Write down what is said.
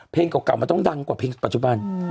เก่ามันต้องดังกว่าเพลงปัจจุบัน